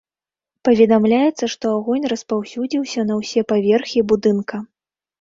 Паведамляецца, што агонь распаўсюдзіўся на ўсе паверхі будынка.